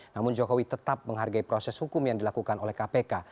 namun jokowi tetap menghargai proses hukum yang dilakukan oleh kpk